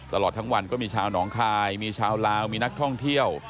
ตลอดทั้งวันก็มีชาวหนองคายมีชาวลาวมีนักท่องเที่ยว